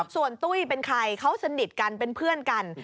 ส่วนตุ้ยเป็นใครเขาสนิทกันเป็นเพื่อนกัน